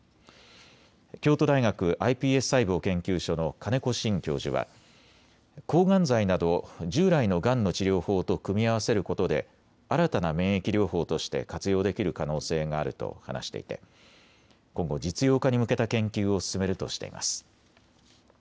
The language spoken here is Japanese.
京都大学ｉＰＳ細胞研究所の金子新教授は抗がん剤など従来のがんの治療法と組み合わせることで新たな免疫療法として活用できる可能性があると話していて今後、実用化に向けた研究を進めるとしています。